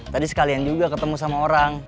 tadi sekalian juga ketemu sama orang